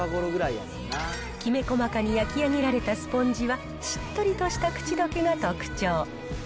きめ細かに焼き上げられたスポンジは、しっとりとした口どけが特徴。